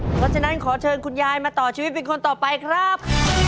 เพราะฉะนั้นขอเชิญคุณยายมาต่อชีวิตเป็นคนต่อไปครับ